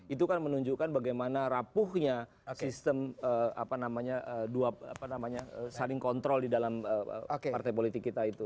itu kan menunjukkan bagaimana rapuhnya sistem saling kontrol di dalam partai politik kita itu